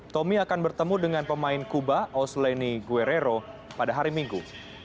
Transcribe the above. tommy akan bertemu dengan pemain kuba osleni gwerero pada hari minggu